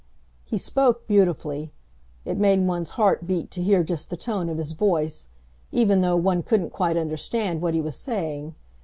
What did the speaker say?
He spoke beautifully. It made one's heart beat to hear just the tone of his voice, even though one couldn't quite understand what he was saying.